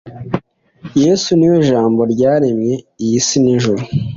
yesu niwe jambo ryaremye iyisi, n’ijuru